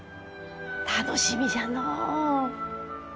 楽しみじゃのう。